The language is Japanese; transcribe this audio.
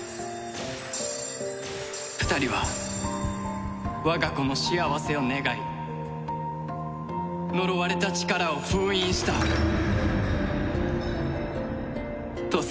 ２人は我が子の幸せを願い呪われた力を封印したとさ。